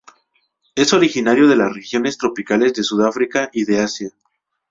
Es originario de las regiones tropicales de Sudáfrica y de Asia.